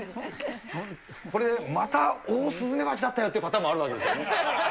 これ、またオオスズメバチだったよというパターンもあるわけです